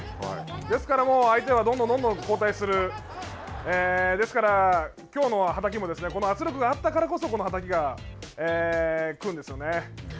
ですから、相手はどんどん後退するですから、きょうのはたきもこの圧力があったからこそこのはたきがきくんですよね。